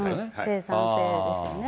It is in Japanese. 生産性ですよね。